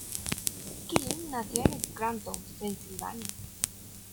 Keeling nació en Scranton, Pennsylvania.